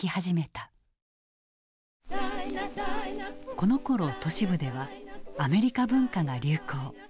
このころ都市部ではアメリカ文化が流行。